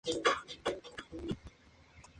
Esta versión fue traducida por el poeta Salvador Novo.